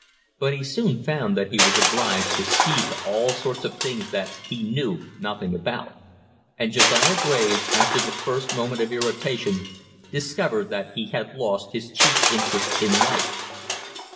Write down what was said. But soon he found that he was obliged to see to all sorts of things that he knew nothing about; and Josiah Graves, after the first moment of irritation, discovered that he had lost his chief interest in life.